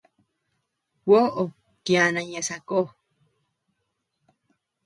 Kuoʼo kiana ñeʼe sakó.